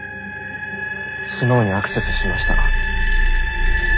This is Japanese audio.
スノウにアクセスしましたか？